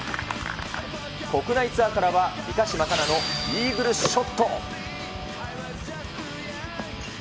国内ツアーからは、三ヶ島かなのイーグルショット。